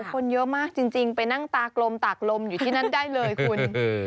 คนเยอะมากจริงไปนั่งตากลมตากลมอยู่ที่นั่นได้เลยคุณ